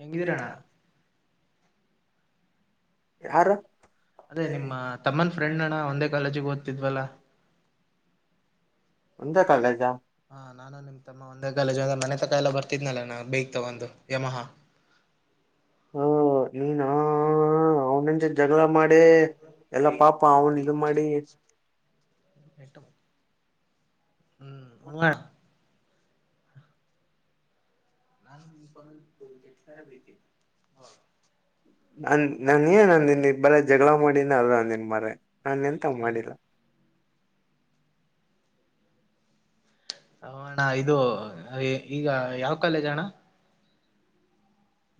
ಹೆಂಗಿದಿರನ್ನ. ಯಾರು. ಅದೇ ನಿಮ್ಮ ತಮ್ಮನ ಫ್ರೆಂಡ್ ಅಣ್ಣ ಒಂದೇ ಕಾಲೇಜಿಗೆ ಓದ್ತಿದ್ವಲ್ಲ. ಒಂದೇ ಕಾಲೇಜಾ ಹಾ ನಾನು ನಿಮ್ ತಮ್ಮ ಒಂದೇ ಕಾಲೇಜಾಗ. ಮನೆ ತಕಾ ಎಲ್ಲ ಬರ್ತಿದ್ನಲ್ಲ ನಾ ಬೇಕ್ ತಗೊಂಡು ಯಮಹಾ. ಹಾ ನೀನ್ ಅವ ಜಗಳ ಮಾಡಿ ಎಲ್ಲ ಪಾಪ ಅವನ್ ಇದು ಮಾಡಿ ಕಟ್ಟು ಹ್ಮ್ ಹ. ನಾನು ಪರ ಕೆಲ ಬೈತೆನೆ ಹ. ನನ್ ನಾನ ಏನ್ ಅಂದಿನೀ ಬರೆ ಜಗಳ ಮಾಡಿನ ಅಂದನ್ ಮರ ನಾನ ಎಂತ ಮಾಡಿಲ್ಲ. ಅಣ್ಣ ಇದು ಈಗ ಯಾವ ಕಾಲೇಜ ಅಣ್ಣ.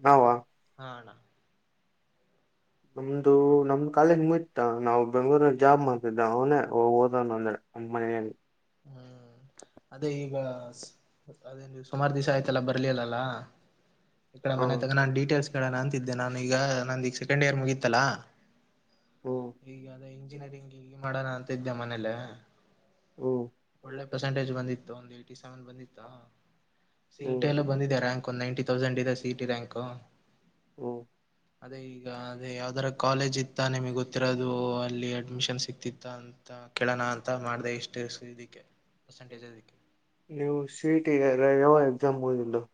ನಾವ ಹಾ ಅಣ್ಣ. ನಮ್ದು ನಮ್ದ ಕಾಲೇಜ್ ಮುಯತ ನಾವು ಬೆಂಗ್ಳೂರ ಜಾಬ್ ಮಾಡ್ತಿದ್ದ ಅವನೇ ಓದನ್ ಅಂದ್ರೆ. [inaudible] ಹ್ಮ್ ಅದೇ ಈಗ ಅದೇ ನೀವು ಸುಮಾರು ದಿವಸ ಆಯ್ತಲ್ಲ ಬರ್ಲಿಲ್ಲಲ್ಲಾ. ಈ ಕಡ ಮನೆ ಹ್ಮ್ ತಗ ನಾನ್ ಡೀಟೇಲ್ಸ್ ಕೆಳನ ಅಂತಿದ್ದೆ ನಾನ ಈಗ ನಂದ ಈಗ ಸೆಕೆಂಡ್ ಇಯರ್ ಮುಗೀತ್ತಲ್ಲಾ. ಹ್ಮ್ ಈಗ ಅದೇ ಇಂಜಿನಿಯರಿಂಗ್ ಈ ಮಾಡೋಣ ಅಂತ ಇದೆ ಮನೇಲ್ಲ [inaudible] ಒಳ್ಳೆ ಪರ್ಸೆಂಟೇಜ್ ಬಂದಿತ್ತು ಒಂದು ಏಟಿ ಸೆವೆನ್ ಬಂದಿತ್ತಾ ಹ್ಮ್ ಸೀಟ್ ಎಲ್ಲ ಬಂದಿದೆ ರಂಕ್ ಒಂದು ನೈಂಟಿ ೌಸ್ ಇದೆ ಸಿಟಿ ರಂ ಅದೇ ಈಗ [unintelligible] ಯಾವ್ದರ ಕಾಲೇಜ್ ಇತ್ತ ನಿಮಗೆ ಗೊತ್ತಿರೋದು ಅಲ್ಲಿ ಅಡ್ಮಿಷನ್ ಸಿಕ್ತಿತ್ತ ಅಂತ ಕೇಳೋಣ ಅಂತ ಮಾಡ ಇಷ್ಟ ಇದಕ್ಕೆ ಪರ್ಸೆಂಟೇಜ್ ಇದಕ್ಕೆ [unintelligible] ನೀವು ಸಿಟಿ ಯಾವ ಎಕ್ಸಾಮ್ ಹೋದಿಲ್ಲ [unintelligible]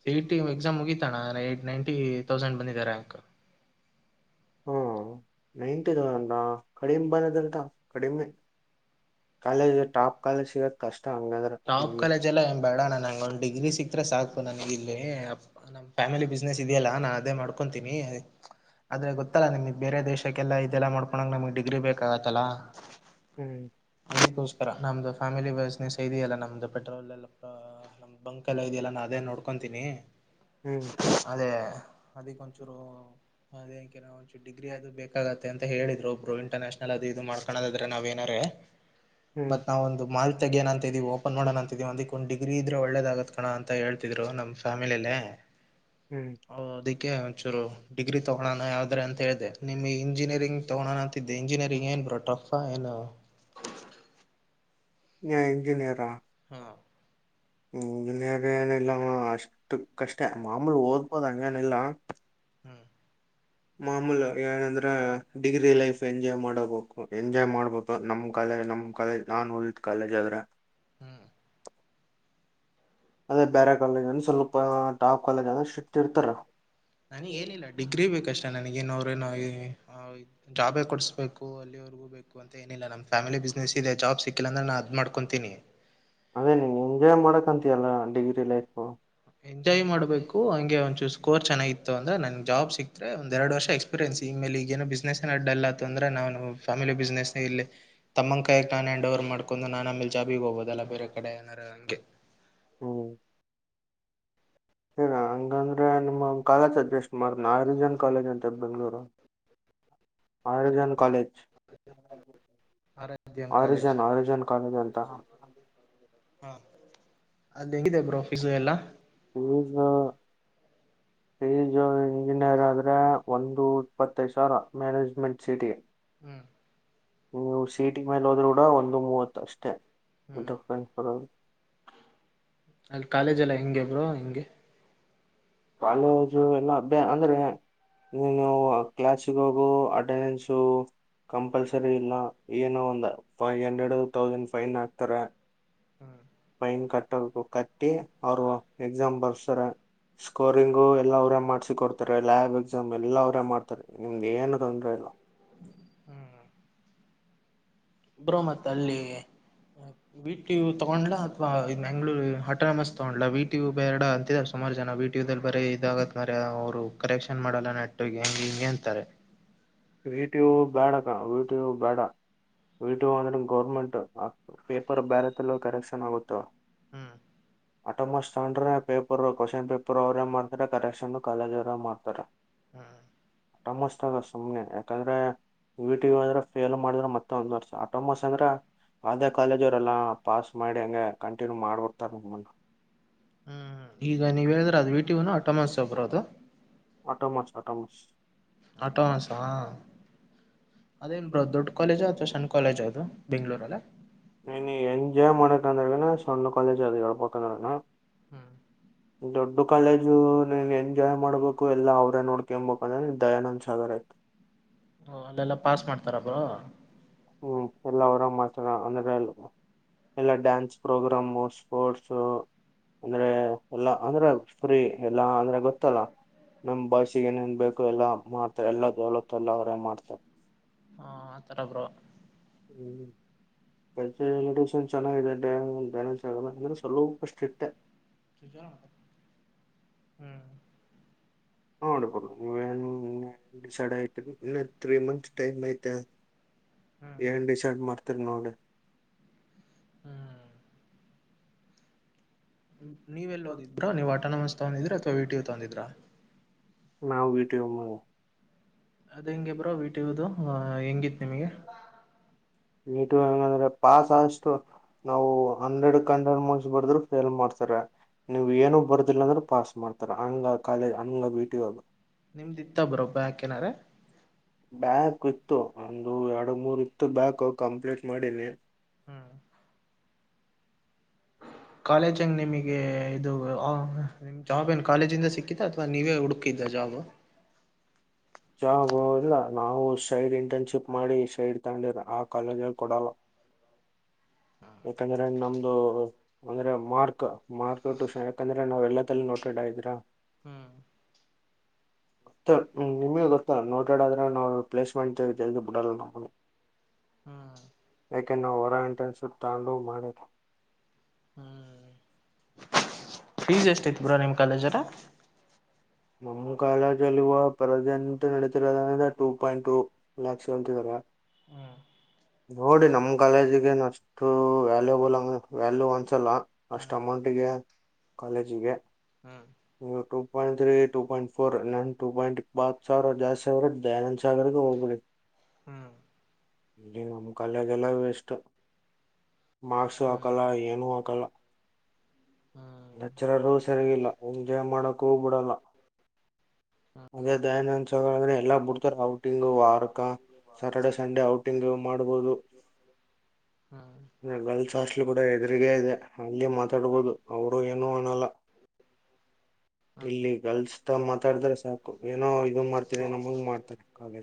ಸಿಟಿ ಎಕ್ಸಾಮ್ ಮುಗೀಿತಣ ನೈಂಟಿ ತೌಸಂಡ್ ಬಂದಿದೆ ರಂಕ್ ಹಾ ನೈಂಟಿ ತೌಸಂಡಾ [unintelligible] ಕಡಿಮೆ ಬಂದದಟಾ ಕಡಿಮೆ ಕಾಲೇಜ್ ಟಾಪ್ ಕಾಲೇಜ್ ಸಿಗದ ಕಷ್ಟ ಹಂಗಾದ್ರ ಟಾಪ್ ಕಾಲೇಜ್ ಎಲ್ಲ ಏನ್ ಬೇಡಣ ನಂಗ ಒಂದ ಡಿಗ್ರಿ ಹ್ಮ್ ಸಿಕ್ತ ಸಾ [inaudible] ನನ ಇಲ್ಲಿ ಫ್ಯಾಮಿಲಿ ಬಿಸ್ನೆಸ್ ಇದೆಯಲ್ಲ ನಾ ಅದೇ ಮಾಡ್ ಮಾಡ್ಕೊಂತೀನಿ ಆದ್ರೆ ಗೊತ್ತಲ್ಲ ನಿಮಗ್ ಬೇರೆ ದೇಶಕ್ಕೆಲ್ಲ ಇದೆಲ್ಲ ಮಾಡ್ ಕೊನಂಗೆ ನಮಗೆ ಡಿಗ್ರಿ ಬೇಕಾಗತ್ತಲ್ಲ ಹ್ಮ್ ಅದಕ್ಕೋಸ್ಕರ ನಮ್ದು ಫ್ಯಾಮಿಲಿ ಫ್ಯಾಮಿಲಿ ಬಿಸಿನೆಸ್ ಇದೆಯಲ್ಲ ನಮ್ದು ಪೆಟ್ರೋಲ್ ಎಲ್ಲ ನಮ್ ಬಂಕ್ ಎಲ್ಲ ಇದೆಯಲ್ಲ ನಾ ಅದೇ ನೋಡ್ಕೊಂತೀನಿ ಹ್ಮ್ ಅದೇ ಅದಕ್ಕ ಒಂಚೂರು ಅದೇ ಕೆ ಒಂ ಡಿಗ್ರಿ ಅದು ಬೇಕಾಗತ್ತೆ ಅಂತ ಹೇಳಿದ ಒಬ್ರು ಇಂಟರ್ನ್ಯಾಷನಲ್ ಅದು ಇದು ಮಾಡ್ಕೋದ್ರೆ ನಾವ ಏನಾರೆ ಹ್ಮ್ ಮತ್ ನಾವ್ ಒಂದು ಮಾಲ್ ತಗಿಯಣ ಅಂತಿದೀವಿ ಓಪನ್ ಮಾಡೋಣ ಅಂತಿದೀ ಅಂದಿಕ್ ಒಂದು ಡಿಗ್ರಿ ಇದ್ರೆ ಒಳ್ಳದಾಗ ಕಣ ಅಂತ ಹೇಳ್ತವಿ ಹೇಳ್ತಿದ್ರು ನಮ್ ಫ್ಯಾಮಿಲಿಯಲ್ಲಿ. ಹ್ಮ್ ಓ ಅದಿಕ್ಕೆ ಒಂಚೂರು ಡಿಗ್ರಿ ತಗೋಣ ಯಾವ್ದ್ರ ಅಂತ ಹೇಳಿದೆೆ ನಿಮಗೆ ಇಂಜಿನಿಯರಿಂಗ್ ತಗೋಣ ಅಂತ ಇಂಜಿನಿಯರಿಂಗ್ ಏನ್ ಬ ಟಫ ಏನು ಏನ್ ಇಂಜಿನಿಯರಿಂಗ ಹಾ ಹ ಇನ್ಯಾಗ ಏನಿಲ್ಲ ಅಷ್ಟು ಕಷ್ಟ ಮಾಮೂಲಿ ಓದುವುದು ಹಂಗೇನಿಲ್ಲ ಹ್ಮ್ ಮಾಮೂಲ ಏನಂದ್ರ ಡಿಗ್ರಿ ಲೈಫ್ ಎಂಜಾಯ್ ಮಾಡಬೇಕು ಎಂಜಾಯ್ ಮಾಡ ನಮ್ ಕಾಲೇ ನಮ್ ಕಾಲೇಜ್ ನಾನ್ ಹೋಿದ್ ಕಾಲೇಜ್ ಆದ್ರೆ ಹ್ಮ್ ಅದೇ ಬೇರೆ ಕಾಲೇಜ್ ಅಂದ ಸ್ವಲ್ಪ ಟಾಪ್ ಕಾಲೇಜ್ ಅಂದ್ರ ಸ್ಕ್ರಿಪ್ಟ್ ಇರ್ತಾರ ನನಗೇನಿಲ್ಲ ಡಿಗ್ರಿ ಬೇಕಷ್ಟ ನನಗೇನ ಅವ್ರೇನ ಜಾಬೇ ಕೊಡ್ಸ್ಬೇಕು ಅಲ್ಲಿವರ್ಗೂ ಬು ಅಂತ ಏನಿಲ್ಲ ನಮ್ಮ್ ಫ್ಯಾಮಿಲಿ ಬಿಸ್ನೆಸ್ ಇದೆ ಜಾಬ್ ಸಿಕ್ಕಿಲ್ಲ ಅಂದ್ರೆ ನಾದ್ಮ ಮಾಡ್ಕೊತೀನಿ ಅದೇ ನೀನ್ ಎಂಜಾಯ್ ಮಾಡಕ್ಂತಯಲ್ಲ ಡಿಗ್ರಿ ಲೈಫು ಎಂಜಾಯ್ ಮಾಡ್ಬೇಕು ಹಂಗೆ ಒಂದಚೂಸ್ ಕೋರ್ ಚೆನ್ನಾಗಿತ್ತು ಅಂದ್ರೆ ನನ್ ಜಾಬ್ ಸಿಕ್ತೆ ಒಂದ ಎರ ವರ್ಷ ಎಕ್ಸ್ಪೀರಿಯನ್ಸ್ ಈ ಮೇಲೆ ಈ ಏನು ಬಿಸ್ನೆಸ್ ಅಡ್ಡಲ್ಲ ಅ್ರೆ ಫ್ಯಾಮಿಲಿ ಬಿಸ್ೆಸ್ ಇ ತಮ್ಮನ ಕಾಯಕ್ ನಾನ್ ಹ್ಯಾಂಡ್ಓವರ್ ಮಾಡ್ಕೊಂಡ ನಾನು ಆಮೇ ಜಾಬಿಗೆ ಹೋಗೋದಲ್ಲ ಬೇರೆ ಕಡೆ ಅಡನರಗೆ ಹ ರಂಗ ಂದ್ರೆ [unintelligible] ನಮ್ಮ ಕಾಲೇಜ ಅಡ್ಜಸ್ಟ್ ಮಾಡ ನರಿಜನ್ ಕಾಲೇಜ್ ಅಂತ ಬೆಂಗ್ಗಳೂರು ಹ ಜ ಕಾಲಜ [unintelligible] ಆರಾಧ್ಯ [inaudible] ಕಾಲೇಜ್ ಆರಿಜನ್ ಆರಿಜನ್ ಕಾಲೇಜ್ ಅಂತ ಹಾ ಅಲ್ಲಿ ಹೆಂಗಿದೆ ಬ್ರೋ ಫೀಸು ಎಲ್ಲ ಈಜಿನ [unintelligible] ಪೀಸು ಇಂಜಿನಿಯರ್ ಆದ್ರೆ ಒಂದು ಇಪ್ಪತ್ತೈದು ಸಾವಿರ ಮ್ಯಾನೇಜ್ಮೆಂಟ್ ಸೀಟಿ ಹ್ಮ್ ನೀವು ಸೀಟಿ ಮೇಲೆ ಹೋದ್ರೂ ಕೂಡ ಒಂದು ಮೂವತ್ ಅಷ್ಟೇರ ಹ್ಮ್ [unintelligible] ಹೌದು ಅಲ್ಲಿ ಕಾಲೇಜ್ ಎಲ್ಲಾ ಹೆಂಗೆ ಬ್ರೋ ಹೆಂಗೆ ಕಾಲೇಜು ಎಲ್ಲಾ ಅ್ಯ ಅಂದ್ರೆ ನೀನು ಕ್ಲಾಸ್ಗ ಹೋಗು ಅಟೆಂಡೆನ್ಸು ಕಂಪಲ್ಸರಿ ಇಲ್ಲ ಏನು ಒಂದ್ ಫೈವ್ ಹಂಡ್ರೆಡ್ ತೌಸಂಡ್ ಫೈನ್ ಹಾಕ್ತಾರೆ ಹ್ಮ್ ಪೈನ್ ಕಟ್ಟೋ ಕಟ್ಟಿ ಅವರು ಎಕ್ಸಾಂಪಲ್ಸರ ಸ್ಕೋರಿಂಗು ಎಲ್ಲಾ ಅವರ ಮಾಡ್ಸ ಕೊಡ್ತಾರೆ ಲ್ಯಾಬ್ ಎಕ್ಸಾಮ್ ಎಲ್ಲ ಅವರೇ ಮಾಡ್ತಾರೆ ನಿಮ್ದ್ ಏನು ತೊಂದ್ರೆ ಇಲ್ಲ ಹ್ಮ್ ಬ್ರೋ ಮತ್ ಅಲ್ಲಿ ಬಿಟಿ ಯು ತಗ್ಾ ಅಥವಾ ಮಂಗಗಳೂ ಹಟೋನಮಸ್ ತೊಗೊಂಡ್ಾ ಬಿಟಿ ಯು ಬೇರಡ ಅಂತ ಸುಮಾರು ಜನ ಬೀಟ್ಯೂಲ್ಲಿ ಬರೀ ಇದಾಗತ್ ಮರ ಅವ್ರು ಕರೆಕ್ಷನ್ ಮಾಡಲ್ಲ ನೆಟ್ಟು ಹೆಂಗ ಹಿಂಗೆ ಅಂತಾರೆ ವೀಟು ಬೇಡಕ ವೀಟು ಬೇಡ ಇಟ ಅಂದ್ರ ಗೌರ್ಮೆಂಟ್ ಪೇಪರ್ ಬ್ಯಾರತ್ಲ್ಲ ಕರೆಕ್ಷನ್ ಆಗುತ್ತ ಹ್ಮ್ ಆಟೋಮಸ್ ತಾಂಡ್ರ ಪೇಪರ್ ಕ್ವಶನ್ ಪೇಪರ್ ಅವರೇ ಮಾಡ್ತಾರ ಕರೆಕ್ಷನ್ ಕಾಲೇಜ ಅವರೇ ಮಾಡ್ತಾರೆ ಹಾ ಟ ಮಸ್ತ ಅಸ್ ಸುಮ್ಮನೆ ಯಾಕಂದ್ರೆ ಇಟಿ ಅಂದ್ರೆ ಫೇಲ್ ಮಾಡಿದ್ರೆ ಮತ್ತೆ ಒಂದ್ ವರ್ಷ ಆಟೋಮಸ್ ಅಂದ್ರೆ ಅದೇ ಕಾಲೇಜ ಅವರೆಲ್ಲಾ ಪಾಸ್ ಮಾಡಿ ಹಂಗೆ ಕಂಟಿನ್ಯೂ ಮಾಡ್ಬಿಡ್ತಾರ ನಮ್ಮಂಡ ಹ್ಮ್ ಈಗ ನೀವ್ ಹೇಳಿದ್ರೆ ಅದ್ ವಿಟಿನು ಟೊಮಸ್ ಒಬ್ರ ಅದು ಆಟ ಮಾಚ್ ಆಟ ಮಾಚ್ ಆಟೋ ಮಾಸಾ ಅದೇನ್ ಬ್ರ ದೊಡ್ಡ ಕಾಲಜ್ ಅಥವಾ ಶನ್ ಕಾಲೇಜ್ ಅದು ಬೆಂಗ್ಳೂರಲ್ಲ ನೀನ್ಜಾಯ್ ಮ ಮಾಡ ತಂದರಗಣ ಸಣ ಕಾಲೇಜ್ ಅದಕ್ಕೆಡಪಂದಣ ಹ್ಮ ದೊಡ್ಡ ಕಾಲೇಜು ನೀನ್ ಎಂಜಾಯ್ ಮಾಡ್ಬೇಕು ಎಾ ಅವ್ರೇ ನೋಡ್ಕೊಂಬಬೇಕಂದ್ರೆ ದಯಾನಂದ್ ಸಾಗರ್ತೆ ಹ ಅಲ್ಲೆಲ್ಲಾ ಪಾಸ್ ಮಾಡ್ತಾರಬಾ ಹ್ಮ್ ಎಲ್ಲ ಅವರ ಮಾಚ ಅಂದ್ರೆಲ್ಲ ಎಲ್ಲ ಡ್ಯಾನ್ಸ್ ಪ್ರೋಗ್ರಾಮು ಸ್ಪೋರ್ಟ್ಸ ಅಂದ್ರೆ ಎಲ್ಲಾ ಅಂದ್ರೆ ಫ್ರೀ ಎಲ್ಲಾ ಅಂದ್ರೆ ಗೊತ್ತಲ್ಲ ನಮ್ ಭಾಷೆ ಏನೇನ್ ಬೇಕು ಎಲ್ಲಾ ಮಾತ್ರ ಎಲ್ಲಲತ್ತ ಎಲ್ಲ ಅವರೇ ಮಾಡ್ತಾರೆ ಹಾ ಆ ತರ ಬ್ರೋ ಹ್ಮ್ ಪ್ರಜೆನ್ ಚೆನ್ನಾಗಿದೆ ಂದ್ರೆ ಸ್ವಲ್ಪ ಅಷ್ಟ ಇಷ್ಟೆ ಸುಚಾರ ಹ ನೋಡ್ಬ ಡಿಸೈಡ್ ಐರಿ ಇನ್ನ ತ್ರೀ ಮಂತ್ಸ್ ಟೈಮ್ ಐತೆ ವಂಡಿ ಚಾಡ್್ಮರ್ತನೋಡು ಹ್ಮ ನೀವೆ ಎಲ್ಲ ಓದಿದ್ರಾ ನೀವ್ ಆಟೋನೂಮಸ್ ತಗೊಂಡಿದ್ರ ಅಥ್ವಾ ವಿಟಿಯು ತಗಂದಿದ್ರಾ ನಾವು ವಿಟಿಯೋ ಮಾಡ ಅದ್ ಹೆಂಗಗೆ ಬ್ರೋ ವೀಟ ಇರುದು ಹೆಂಗಿತ್ ನಿಮಗೆ ನೀಟ ಹೆಂಗಂದ್ರೆ ಪಾಸ್ ಆದಷ್ಟು ನಾವು ಹಂಡ್ರೆಡ್ ಕಂಡ್ರೆ ಮುಗಸ್ಬಡದ್ರು ಎಲ್ ಮಾಡ್ತಾರ ನೀವು್ ಏನೂ ಬರ್ದಿಲ್ಲ ಅಂದ್ರೆ ಪಾಸ್ ಮಾಡ್ತಾರ ಹಂಗ ಕಾಲೇಜ್ ಅಂಗ್ ಬಿ ಟಿಾಗ ನಿಮ್ದ ಇತ್ತ ಬರೊಬ್ಬ ಯಾಕೇನಾರ ಬ್ಯಾಕ್ ಇತ್ತು ಒಂದು ಎರಡು ಮೂರ್ ಇತ್ತು ಬ್ಯಾಕ್ ಕಂಪ್ಲೀಟ್ ಮಾಡೀನಿ ಹ್ಮ್ ಕಾಲೇಜ್ ಹಂಗ ನಿಮಗೆ ಇದು ನಿಮ್ ಜಾಬ್ ಏನು ಕಾಲೇಜಿಂದ ಸಿಕ್ಕಿದ ಅಥವಾ ನೀವೇ ಹುಡುಕಿದ್ದ ಜಾಬ್ ಚಾಗ ಇಲ್ಲ ನಾವು ಸೈಡ್ ಇಂಟರ್ನ್ಶಿಪ್ ಮಾಡಿ ಸೈಡ್ ತಂಡಿರ ಆ ಕಾಲೇಜಲ್ಲಿ ಕೊಡಲ್ಲ ಯಾಕಂದ್ರೆ ನಮ್ದು ಅಂದ್ರೆ ಮಾರ್ಕ್ ಮಾರ್ಕ್ ಟೂಷನ್ ಯಾಕಂದ್ರೆ ನಾವ್ ಎಲ್ಲಲ್ಲಿ ನೋಡ್ವಿ ಎಲ್ಲ ಇದ್ರಾ ಹ್ಮ ಹ ನಿಮಗೆ ಗೊತ್ತಾ ನೋಡಾಡಾದ್ರೆ ನಾವು ಪ್ಲೇಸ್ಮೆಂಟ್ಳ್ದ ಬಿಡಲ್ಲ ನಮ್ಮನು ಹ್ಮ್ ಕೆನ್ನು ಓವರಲ್ ಇಂಟರ್ನ್ಶಿಪ್ ತಾಂಡು ಮಾಡಣ ಹ್ಮ್ ಫೀಸ್ ಎಷ್ಟ ಇತ್ ಬ್ರೋ ನಿಮ್ ಕಾಲೇಜ್ ಗ ಮಮ ಕಾಲ ಚಲುವ ಪರದಂತ ನಡೆದಿರೋದಂದ ಟೂ ಪಾಯಿಂಟ್ ಟೂ ಲ್ಯಾಕ್ಸ್ ಅಂತ ಹ್ಮ್ ನೋಡಿ ನಮ ಕಾಲೇಜಗೇನು ಅಷ್ಟ ಅು ವ್ಯಾಲ್ಯೂಬಲ್ ಅಂಗ ವ್ಯಾಲ್ಯೂ ಒಂದ್ಸಲ್ಲ ಅಷ್ಟು ಅಮೌಂಟಿಗೆ ಕಾಲೇಜಿಗೆ ಹ್ಮ two point three two point four ನನ್ ಟು ಪಾಯಿಂಟ್ ಪ ಸಾವಿರ ಜಾಸ್ತಿ ಸಾವರ ದನಂದ್ ಸಾಗರ್ ಹೋಗಬ್ರಿ ಹ್ಮ್ ಇಲ್ಲಿ ನಮ್ ಕಾಲಯದೆಲ್ಲ ವೇಸ್ಟ್ ಮಾರ್ಕ್ಸು ಹ್ಮ್ ಹ್ಮ್ ಹಾಕಲ್ಲ ಏನೂ ಹಾಕಲ್ಲ ಹ್ಮ್ ಲೆಕ್ಚರರ್ ಸರಿಗಿಲ್ಲ ಎಂಜಾಯ್ ಮಾಡಕ್ಕೂ ಬಿಡಲ್ಲ ಅದೇ ದಯಾನಂದ್ ಸ ಅಂದ್ರೆ ಎಲ್ಲ ಬಿಡ್ತಾರೆ ಔಟಿಂಗ್ ವಾರಕ ಸ್ಯಾಟರ್ಡೆ ಸಂಡೇ ಔಟಿಂಗ್ ಮಾಡಬಹುದು ಗರ್ಲ್ಸ್ ಹಾಸ್ಟ್ಲ್ ಕೂಡ ಎದುರಿಗ ಇದೆ ಅಲ್ಲಿ ಮ ಮಾತಾಡ್ಬೋದು ಅವರು ಏನು ಅನಲ್ಲ ಹ್ಮ್ ಇಲ್ಲಿ ಗರ್ಲ್ಸ್ ತ ಮಾತಾಡಿದ್ರ ಏನೋ ಇದ ಮಾಡ್ತೀರ ನಮಂಗ ಹ್ಮ್ ಮಾಡ್ತಾರೆ ಕಾಗ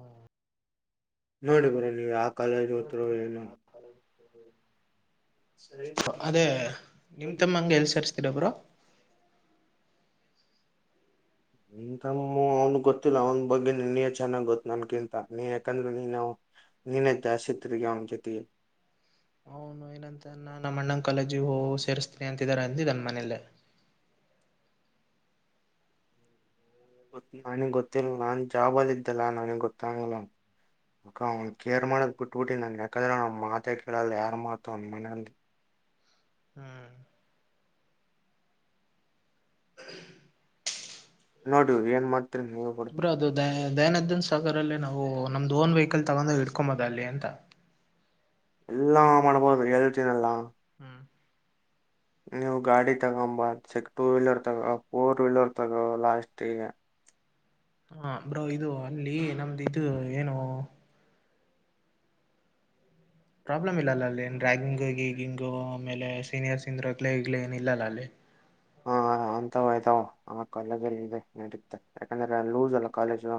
ಹ್ಮ್ ನೋಡಿ ಬರ ನೀವ್ ಯಾವ ಕಾಲೇಜ್ ಹೋತ್ರರು ಏನ ಹ್ಮ ಅದೇ ನಿಮ ತಮ್ಮಂಗಗೆ ಎಲ್ ಸರ್ಸ್ತಿರ ಬ್ರೋ ಆ ಎಂತಮ್ಮ ಅವ್ನ್ ಗೊತ್ತಿಲ್ಲ ಅವನ ಬಗ್ಗೆ ನಿ ನೀ ಚೆನ್ನಾಗ್ ಗೊತ್ತ ನನ್ಕಿಂತ ನೀ ಯಾಕಂದ್ರೆ ನೀ ನವು ನಿನೇ ಜಾಸ್ತಿ ತಿರಾಗಿ ಅವ್ನ ಜೊತೆಗೆ ಅವ್ನು ಏನಂತ ಅ ನ ನಮ್ಮ ಅಣ್ಣಂಗ್ ಕಾಲೇಜಿಗೆ ಹ ಸೇರ್ಸ್ತೀನಿ ಅಂತಿದ ಅಂದ ನನ್ನ ಮನೇಲ್ಲ [inaudible] ನಾನಗೆ ಗೊತ್ತಿಲ್ಲ ನಾನ್ ಜಾಬಲ್ಲಿ ಇದ್ದಲ್ಲ ನನಗೆ ಗೊತ್ತಂಗಲ್ ಅಕ್ಕ ಅವ್ನು ಕೇರ್ ಮಾಡೋದಕ್ ಬಿಟ್ಟುಬಿಟ್ಟು ನಾನಗೆ ಕದ್ರ ನ ಮಾತ ಕೇಳಲ್ಲ ಯಾರು ಮಾತು ಅ ಮನೆ ಹ್ಮ್ ಮ್ಮ್ ನೋಡು ಏನ್ ಮತ್ ಬ್ರ ಅದು ದ ದಯಾನಂದನ್ ಸಾಗರ್ ಅಲ್ಲೇ ನಾ ಓ ನಮ್ದು ಓನ್ ವೆಹಿಕಲ್ ತಗೊಂಡ ಇಡ್ಕೊಂಬದ ಅಲ್ಲಿ ಎಂತ ಎಲ್ಲಾ ಮಾಡ್ಬಹುದು ಏನು ತಿನಲ್ಲ ಹ್ಮ್ ನೀವು ಗಾಡಿ ತಗೊಂಬ ಸಿಕ್ ಟೂ ವೀಲರ್ ತಗೋ ಫೋರ್ ವೀಲರ್ ತಗೋ ಲಾಸ್ಟ್ಗ ಹಾ ಬ್ರೋ ಇದು ಅಲ್ಲಿ ನಮ್ದು ಇದು ಏನು ಪ್ರಾಬ್ಲಮ್ ಇಲ್ಲಲ್ಲ ಅಲ್ಲಿ ರ್ಯಾಗಿಂಗ್ ಗಿಗಿಂಗ್ ಆಮೇಲೆ ಸೀನಿಯರ್ಸ್ ಇಂದ್ ರಗಳೆ ಗಿಗ್ಲೆ ಏನು ಇಲ್ಲಲ್ಲ ಅಲ್ಲಿ. ಹ ಹ ನಾಂತಯ್ತಾವ ಆ ಕಾಲೇಜಲ್ಲಿ ಇದೆ ನಟತ ಯಾಕಂದ್ರೆ ಲೂಸ್ ಅಲ್ಲ ಕಾಲೇಜು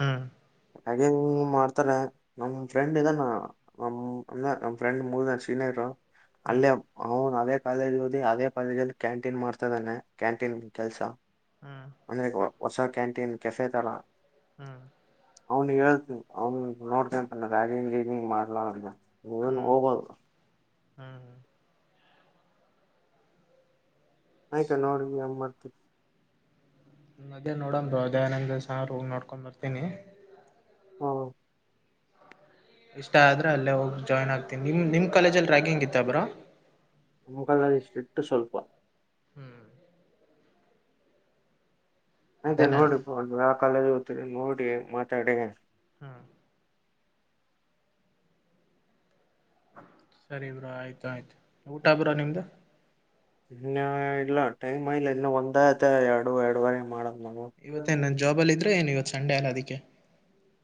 ಹ್ಮ್ ಹಂಗ ಮಾಡ್ತಾರೆ ನಮ ಫ್ರೆಂಡ್ ಇದಾನ ನ ನ ನಮ್ ಫ್ರೆಂಡ್ ಮೂರ್ ಜನ ಸೀನಿಯರ್ ಹ್ಮ್ ಅಲ್ಲೇ ಅವ್ನು ಅವದೇ ಕಾಲೇಜ್ ಓದಿ ಅದೇ ಕಾಲೇಜಲ್ಲಿ ಕ್ಯಾಂ ಕ್ಯಾಂಟೀನ್ ಮಾಡ್ತದಾನೆ ಕ್ಯಾಂಟೀನ್ ಕೆಲ್ಸ ಹ್ಮ್ ಅಂದ್ರೆ ಹೊಸ ಕ್ಯಾಂಟೀನ್ ಕೆಫೆ ತರ ಹ್ಮ್ ಅವ್ನು ಹೇಳ್ತು ಅವ್ನು ನೋಡ್ತಂತಾನ ರ್ಯಂಗ್ಂಗ್ ಮಾಡ್ಲ ಅ ಏನು ಹೋಗದು ಹಾ ಆಯ್ತಾ ನೋಡಿ [unintelligible] ಅದೇ ನೋಡ ದಯಾನಂದ ಸರು ಹೋಗ ನೋಡ್ಕೊಂಡ್ ಬರ್ತೀನಿ. ಹ ಇಷ್ಟ ಆದ್ರೆ ಅಲ್ಲೇ ಹೋಗಿ ಜಾಯ್ನ್ ಆಗ್ತೀನಿ ನಿಮ ನಿಮ್ ಕಾಲೇಜಲ್ಲಿ ರ್ಯಗಿಂಗ್ ಇತ್ತ ಬ್ರೋ. [unintelligible] ಸ್ವಲ್ಪ ಹ್ಮ್ ಅದೇ [unintelligible] ನಾನು ನೋಡಿಪ ಯಾ ಕಾಲೇಜ ಓತರಿ ನೋಡಿ ಮಾತಾಡಿ. ಹ್ಮ್ ಸರಿ ಬ್ರೋ ಆಯ್ತ ಆಯ್ತು ಊಟ ಬ್ರೋ ನಿಮ್ದ. ಇನ್ನ ಇಲ್ಲ ಟೈಮ ಇಲ್ಲ ಇನ್ನ ಒ ಆಯತ ಎರಡು ಎರಡುವರೆ ಮಾಡದ್ ನವು ಸಂಡೆಯಲ್ಲ ಅದಿಕೆ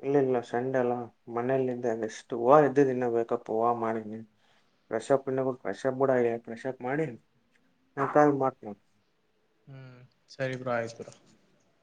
ಇಲ್ಲ ಇಲ್ಲ ಸಂಡೆ ಅಲ್ಲ ಮನೇೆಯಲಿದ್ದೆ ರೆಷ್ಟು ಹೂ ಇದ್ದ ಇನ್ನ ವೇಕಪ್ ಮಾಡಿ ಪ್ರಷಾಬ್ ಇ ಪ್ರಷಾಬ್ [unintelligible] ಪ್ರಶಾಪ್ ಮಾಡಿ ಹ್ಮ್ ಸರಿ ಬ್ರೋ ಆಯ್ತು ಬ್ರೋ [unintelligible]